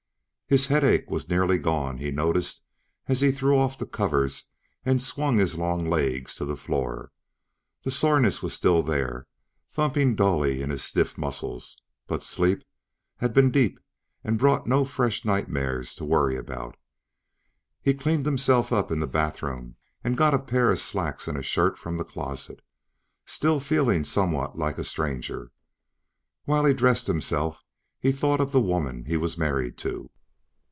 His headache was nearly gone, he noticed as he threw off the covers and swung his long legs to the floor. The soreness was still there, thumping dully in his stiff muscles, but sleep had been deep and brought no fresh nightmares to worry about. He cleaned himself up in the bathroom and got a pair of slacks and a shirt from the closet, still feeling somewhat like a stranger. While he dressed himself, he thought of the woman he was married to.